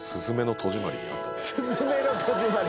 『すずめの戸締まり』！